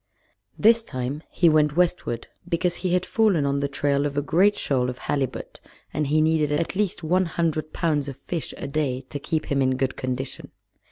This time he went westward, because he had fallen on the trail of a great shoal of halibut, and he needed at least one hundred pounds of fish a day to keep him in good condition.